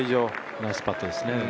ナイスパットですね。